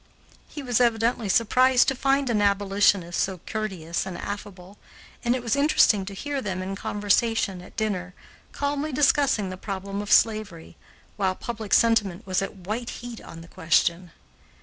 He was evidently surprised to find an abolitionist so courteous and affable, and it was interesting to hear them in conversation, at dinner, calmly discussing the problem of slavery, while public sentiment was at white heat on the question.